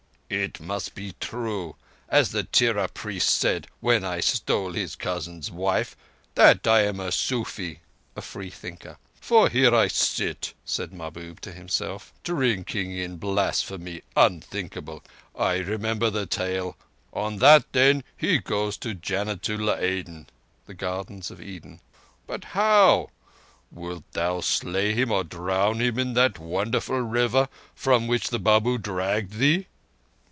"It must be true, as the Tirah priest said when I stole his cousin's wife, that I am a sufi (a free thinker); for here I sit," said Mahbub to himself, "drinking in blasphemy unthinkable ... I remember the tale. On that, then, he goes to Jannatu l'Adn (the Gardens of Eden). But how? Wilt thou slay him or drown him in that wonderful river from which the Babu dragged thee?"